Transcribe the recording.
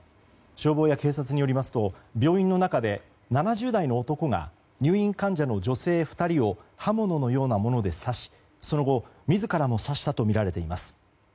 消防や警察によりますと病院の中で７０代の男が入院患者の女性２人を刃物のようなもので刺し、その後自らも刺したとみられています。